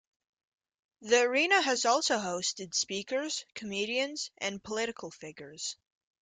The arena has also hosted speakers, comedians, and political figures.